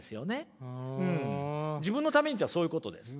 自分のためにっていうのはそういうことです。